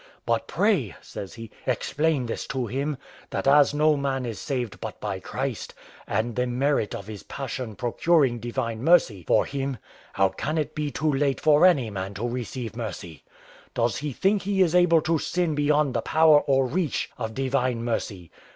But pray," says he, "explain this to him: that as no man is saved but by Christ, and the merit of His passion procuring divine mercy for him, how can it be too late for any man to receive mercy? Does he think he is able to sin beyond the power or reach of divine mercy?